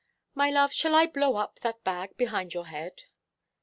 My love, shall I blow up that bag behind your head?"